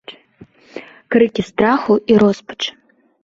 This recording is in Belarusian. Крыкі страху і роспачы.